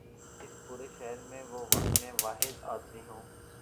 اس پورے شہر میں، میں واحد آدمی ہوں۔